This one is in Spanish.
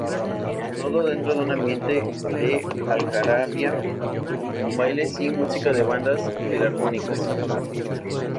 Todo dentro de un ambiente de algarabía con bailes y música de bandas filarmónicas.